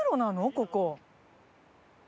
ここ。